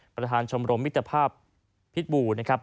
ประธานชมรมมิตรภาพพิษบูนะครับ